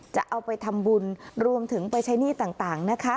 จะเอาไปทำบุญรวมถึงไปใช้หนี้ต่างนะคะ